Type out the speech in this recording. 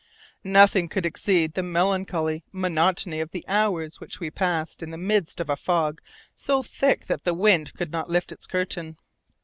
Nothing could exceed the melancholy monotony of the hours which we passed in the midst of a fog so thick that the wind could not lift its curtain.